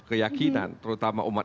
keyakinan terutama umat